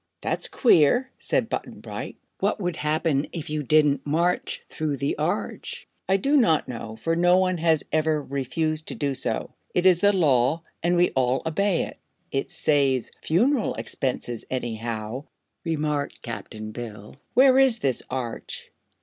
"That's queer," said Button Bright. "What would happen if you didn't march through the Arch?" "I do not know, for no one has ever refused to do so. It is the Law, and we all obey it." "It saves funeral expenses, anyhow," remarked Cap'n Bill. "Where is this Arch?"